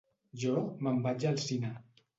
Jo me'n vaig al cine.